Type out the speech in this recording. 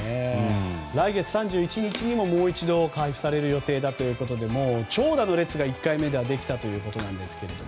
来月３１日にももう一度配布される予定だということで長蛇の列が１回目ではできたということですが。